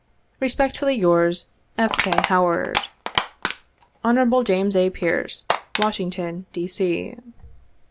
!t Respectfully, yours, "F. K. HOWARD. " Hon. James A. Pearce, Washington, D. C."